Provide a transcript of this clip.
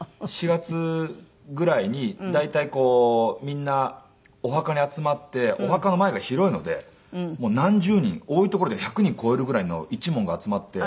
４月ぐらいに大体こうみんなお墓に集まってお墓の前が広いのでもう何十人多い所では１００人超えるぐらいの一門が集まって。